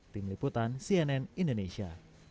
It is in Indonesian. tim liputan cnn indonesia